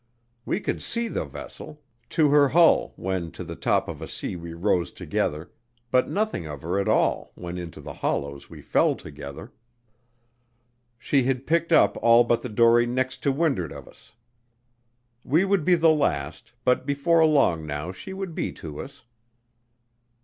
We could see the vessel to her hull, when to the top of a sea we rose together; but nothing of her at all when into the hollows we fell together. She had picked up all but the dory next to wind'ard of us. We would be the last, but before long now she would be to us.